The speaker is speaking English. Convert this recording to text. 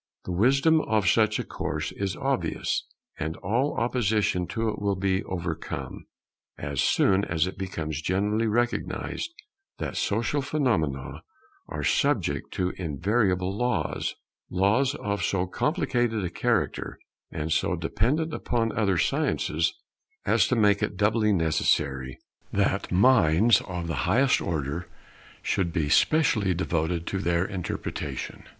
The wisdom of such a course is obvious, and all opposition to it will be overcome, as soon as it becomes generally recognized that social phenomena are subject to invariable laws; laws of so complicated a character and so dependent upon other sciences as to make it doubly necessary that minds of the highest order should be specially devoted to their interpretation.